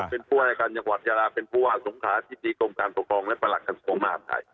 เป็นผู้ว่ายากรรยากวัดยาราเป็นผู้ว่าสงขาจิตรีกรมการปกครองและประหลักคันสมมหาภัย